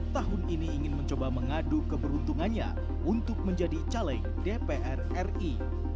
tahun ini ingin mencoba mengadu keberuntungannya untuk menjadi caleg dpr ri